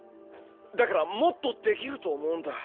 だからもっとできると思うんだ。